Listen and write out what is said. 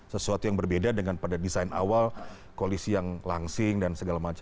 sesuatu yang berbeda dengan pada desain awal koalisi yang langsing dan segala macam